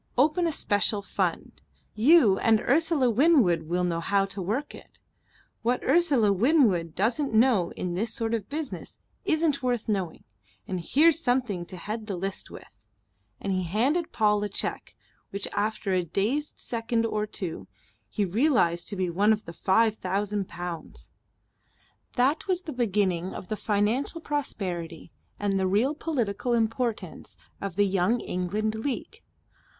Open a special fund. You and Ursula Winwood will know how to work it. What Ursula Winwood doesn't know in this sort of business isn't worth knowing and here's something to head the list with." And he handed Paul a cheque, which after a dazed second or two he realized to be one for five thousand pounds. That was the beginning of the financial prosperity and the real political importance of the Young England League.